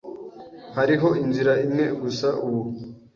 Hariho inzira imwe gusa ubu.